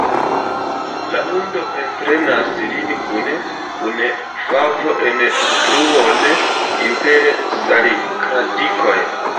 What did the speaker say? La hundo entrenas lin kune kun Favo en truon inter salikradikoj.